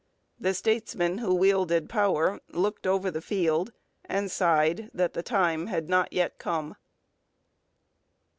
The statesmen who wielded power looked over the field and sighed that the time had not yet come.